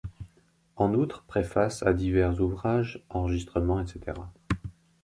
En outre, préfaces à divers ouvrages, enregistrements etc.